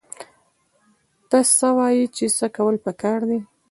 ته څه وايې چې څه کول پکار دي؟